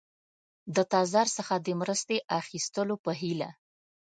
د تزار څخه د مرستې اخیستلو په هیله.